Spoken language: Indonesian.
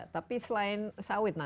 tapi selain sawit